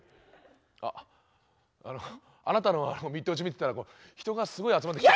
ああなたのミット打ち見てたら人がすごい集まって。